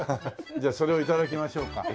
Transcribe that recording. じゃあそれを頂きましょうか。